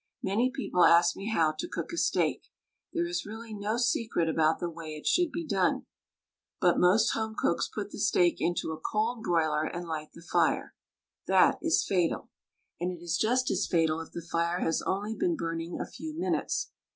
Many people ask me how to cook a steak. There is really no secret about the way it should be done — but most home cooks put the steak into a cold broiler aiid light the fire. That is fatal! And it is just as fatal if the fire has only been burning a few minutes.